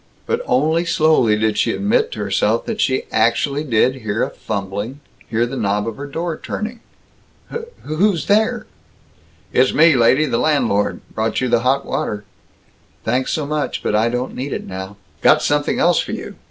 But only slowly did she admit to herself that she actually did hear a fumbling, hear the knob of her door turning. "W who's there?" "It's me, lady. The landlord. Brought you the hot water." "Thanks so much, but I don't need it now." "Got something else for you.